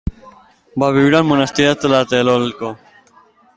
Va viure al monestir de Tlatelolco.